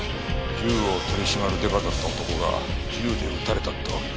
銃を取り締まる刑事だった男が銃で撃たれたってわけか。